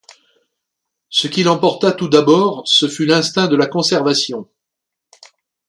Ce qui l'emporta tout d'abord, ce fut l'instinct de la conservation.